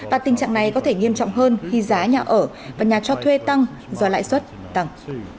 và tình trạng này có thể nghiêm trọng hơn khi giá nhà ở và nhà cho thuê tăng do lãi suất tăng